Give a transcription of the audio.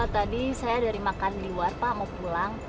tadi saya dari makan di luar pak mau pulang